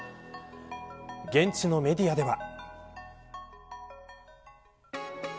現地のメディアでは。